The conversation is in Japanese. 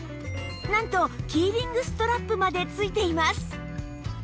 なんとキーリングストラップまで付いています